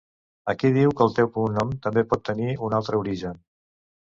Aquí diu que el teu cognom també pot tenir un altre origen.